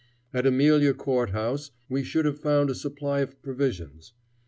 At Amelia Court House we should have found a supply of provisions.